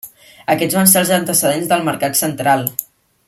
Aquests van ser els antecedents del Mercat central.